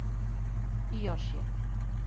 И још је.